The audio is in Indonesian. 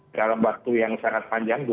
dalam waktu yang sangat panjang